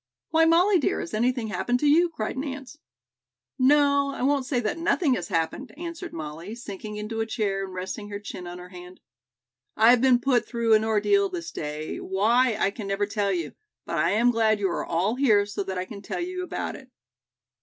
"Why, Molly, dear, has anything happened to you?" cried Nance. "No, I won't say that nothing has happened," answered Molly, sinking into a chair and resting her chin on her hand. "I have been put through an ordeal this day, why, I can never tell you, but I am glad you are all here so that I can tell you about it."